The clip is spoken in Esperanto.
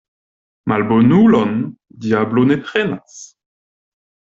Malbonulon diablo ne prenas.